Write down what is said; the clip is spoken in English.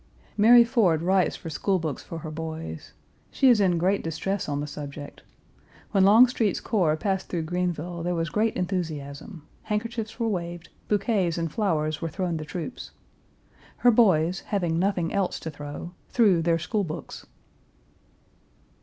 Mary Ford writes for school books for her boys. She is in great distress on the subject. When Longstreet's corps passed through Greenville there was great enthusiasm; handkerchiefs were waved, bouquets and flowers were thrown the troops; her boys, having nothing else to throw, threw their school books.